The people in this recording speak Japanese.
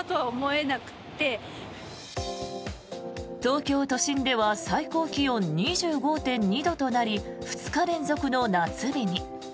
東京都心では最高気温２５．２度となり２日連続の夏日に。